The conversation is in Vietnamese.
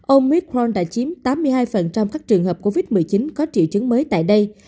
omicron đã chiếm tám mươi hai các trường hợp covid một mươi chín có triệu chứng mới tại đây